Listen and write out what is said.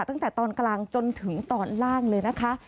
ตั้งแต่ตอนกลางจนถึงตอนล่างเลยนะคะ